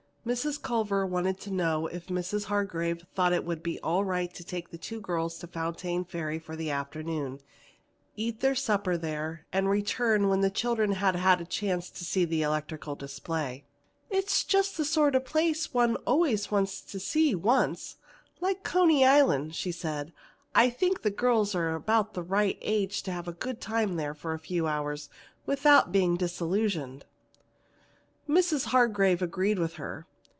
Mrs. Culver wanted to know if Mrs. Hargrave thought it would be all right to take the two girls to Fontaine Ferry for the afternoon, eat their supper there, and return when the children had had a chance to see the electrical display. "It is the sort of a place one always wants to see once, like Coney Island," she said, "and I think the girls are about the right age to have a good time there for a few hours without being disillusioned." Mrs. Hargrave agreed with her.